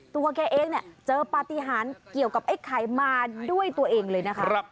ตัวแกเองเนี่ยเจอปฏิหารเกี่ยวกับไอ้ไข่มาด้วยตัวเองเลยนะคะ